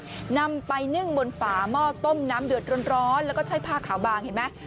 นำไปนึ่งบนฝาหม้อต้มน้ำเดือดร้อนแล้วก็ใช้ผ้าขาวบางเห็นไหม